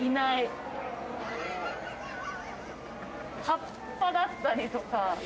葉っぱだったりとか。